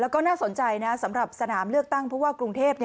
แล้วก็น่าสนใจนะสำหรับสนามเลือกตั้งผู้ว่ากรุงเทพ